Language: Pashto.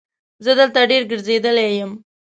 زه دلته ډېر ګرځېدلی یم.